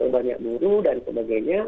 banyak buru dan sebagainya